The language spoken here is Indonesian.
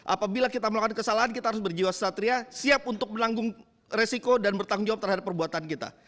apabila kita melakukan kesalahan kita harus berjiwa satria siap untuk menanggung resiko dan bertanggung jawab terhadap perbuatan kita